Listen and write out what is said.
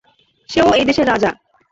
সে-ও এই দেশের রাজা।